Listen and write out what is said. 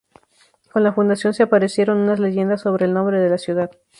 Con la fundación se aparecieron unas leyendas sobre el nombre de la ciudad.